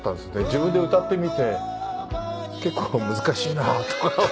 自分で歌ってみて結構難しいなとか思って。